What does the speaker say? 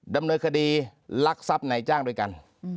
ดำเนินคดีลักทรัพย์ในจ้างด้วยกัน